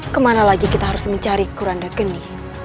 kemana lagi kita harus mencari kuranda geni